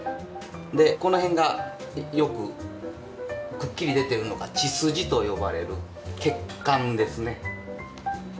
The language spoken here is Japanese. この辺がよくくっきり出てるのが血筋と呼ばれる血管ですね。